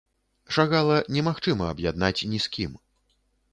Шагала немагчыма аб'яднаць ні з кім.